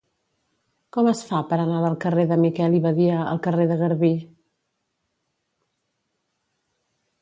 Com es fa per anar del carrer de Miquel i Badia al carrer de Garbí?